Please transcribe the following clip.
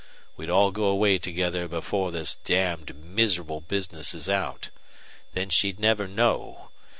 We'd all go away together before this damned miserable business is out. Then she'd never know.